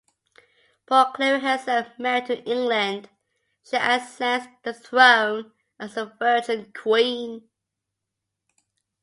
Proclaiming herself married to England, she ascends the throne as "the Virgin Queen".